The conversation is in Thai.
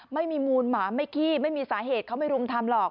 ไม่มีมูลหมาไม่ขี้ไม่มีสาเหตุเขาไม่รุมทำหรอก